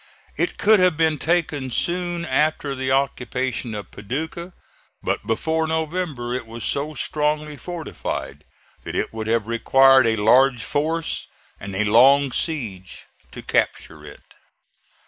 It could have been taken soon after the occupation of Paducah; but before November it was so strongly fortified that it would have required a large force and a long siege to capture it.